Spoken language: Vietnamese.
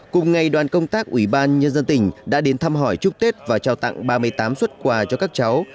cùng ngày đoàn công tác ủy ban nhân dân tỉnh đã đến thăm hỏi chúc tết và trao tặng ba mươi tám xuất quà cho các cháu